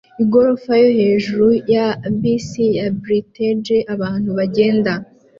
igorofa yo hejuru ya bisi ya britage abantu bagenda